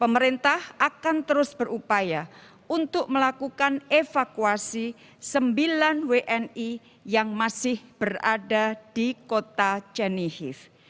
pemerintah akan terus berupaya untuk melakukan evakuasi sembilan wni yang masih berada di kota chenehiv